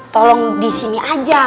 tolong disini aja